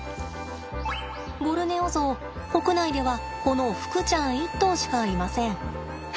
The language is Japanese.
ボルネオゾウ国内ではこのふくちゃん１頭しかいません。